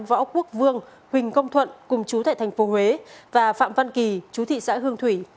võ quốc vương huỳnh công thuận cùng chú tại tp huế và phạm văn kỳ chú thị xã hương thủy